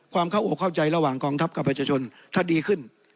ความเข้าอกเข้าใจระหว่างกองทัพกับประชาชนถ้าดีขึ้น